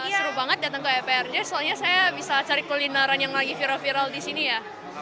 seru banget datang ke eprj soalnya saya bisa cari kulineran yang lagi viral viral di sini ya